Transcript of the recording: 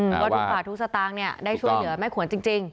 ว่าทุกบาททุกสตางค์เนี่ยได้ช่วยเหลือแม่ขวนจริง